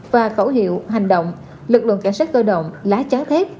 và khẩu hiệu hành động lực lượng cảnh sát cơ động lá cháo thép